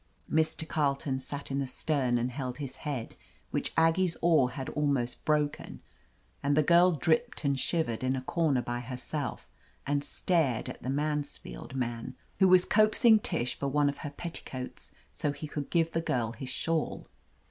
Mr. Carleton sat in the stem and held his head, which Aggie's oar had almost broken, and the girl dripped and shivered in a comer by herself and stared at the Mansfield man, who was coaxing Tish for one of her petticoats so he could give the girl his shawl.